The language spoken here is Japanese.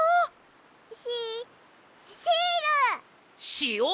しお！